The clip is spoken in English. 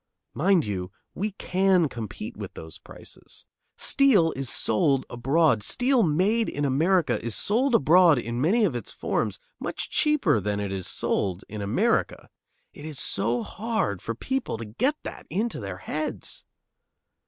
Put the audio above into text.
Mind you, we can compete with those prices. Steel is sold abroad, steel made in America is sold abroad in many of its forms, much cheaper than it is sold in America. It is so hard for people to get that into their heads!